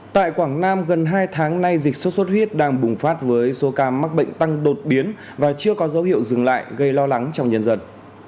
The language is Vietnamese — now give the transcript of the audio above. tại quảng nam gần hai tháng nay dịch sốt xuất huyết đang bùng phát với số ca mắc bệnh tăng đột biến và chưa có dấu hiệu dừng lại gây lo lắng trong nhân dân